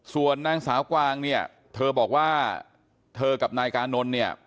ส่วนนางสาวกวางเนี่ยเธอบอกว่าเธอกับนายกานนท์เนี่ย